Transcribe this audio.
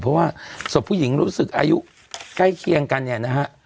เพราะว่าศพผู้หญิงรู้สึกอายุใกล้เคียงกันเนี่ยนะฮะ